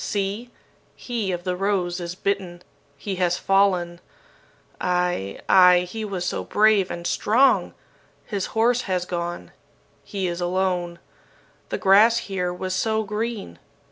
See! he of the rose is bitten. He has fallen. Ay! ay! He was so brave and strong! His horse has gone. He is alone. The grass here was so green.